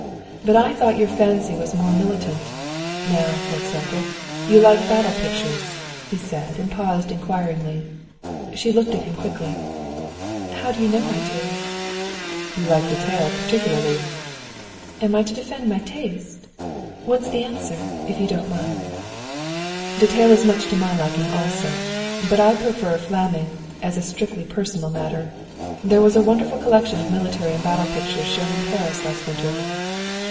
But I thought your fancy was more militant. Now, for example, you like battle pictures " he said, and paused inquiringly. She looked at him quickly. "How do you know I do?" "You like Detaille particularly." "Am I to defend my taste? what's the answer, if you don't mind?" "Detaille is much to my liking, also; but I prefer Flameng, as a strictly personal matter. That was a wonderful collection of military and battle pictures shown in Paris last winter."